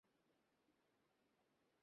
সামনের বিমান, সাধারণ হামলার জন্য প্রস্তুত হও।